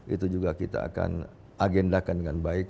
itu juga kita akan agendakan dengan baik